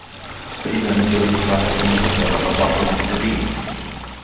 فَإِذَا نَزَلَ بِسَاحَتِهِمْ فَسَاءَ صَبَاحُ الْمُنْذَرِينَ